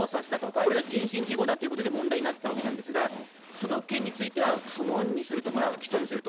これが人身事故だということで、問題になったわけなんですが、その件については不問にすると、不起訴にすると。